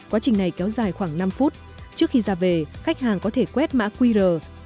quá trình này kéo dài khoảng năm phút trước khi ra về khách hàng có thể quét mã qr